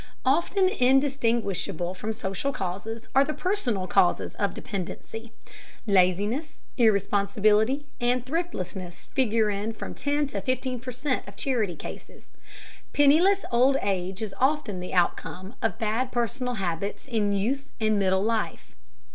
Often indistinguishable from social causes are the personal causes of dependency. Laziness, irresponsibility, and thriftlessness figure in from ten to fifteen per cent of charity cases. Penniless old age is often the outcome of bad personal habits in youth and middle life.